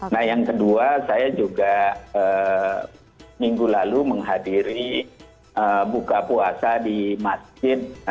nah yang kedua saya juga minggu lalu menghadiri buka puasa di masjid